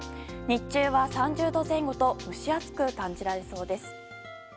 日中は３０度前後と蒸し暑く感じられそうです。